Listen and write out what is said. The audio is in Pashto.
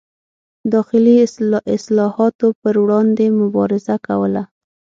داخلي اصلاحاتو پر وړاندې مبارزه کوله.